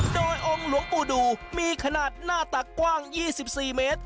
โดยองค์หลวงปูดูมีขนาดหน้าตักกว้างยี่สิบสี่เมตร